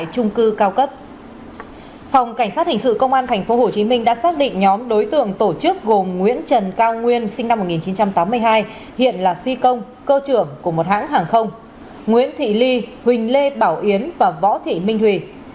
công an tp hcm đã xác định nhóm đối tượng tổ chức gồm nguyễn trần cao nguyên sinh năm một nghìn chín trăm tám mươi hai hiện là phi công cơ trưởng của một hãng hàng không nguyễn thị ly huỳnh lê bảo yến và võ thị minh hùy